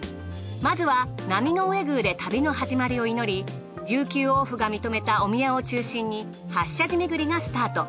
まずは波上宮で旅の始まりを祈り琉球王府が認めたお宮を中心に８社寺めぐりがスタート。